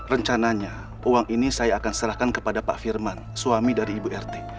rencananya uang ini saya akan serahkan kepada pak firman suami dari ibu rt